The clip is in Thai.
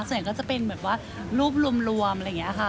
ส่วนใหญ่ก็จะเป็นแบบว่ารูปรวมอะไรอย่างนี้ค่ะ